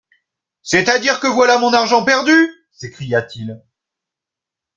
C'est-à-dire que voilà mon argent perdu ! s'écria-t-il.